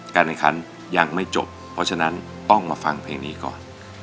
การแข่งขันยังไม่จบเพราะฉะนั้นต้องมาฟังเพลงนี้ก่อน